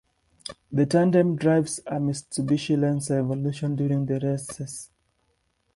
The tandem drives a Mitsubishi Lancer Evolution during the races.